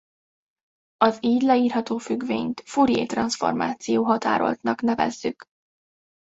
Az így leírható függvényt Fourier-transzformáció határoltnak nevezzük.